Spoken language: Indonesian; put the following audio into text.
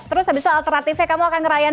terus habis itu alternatifnya kamu akan ngerayan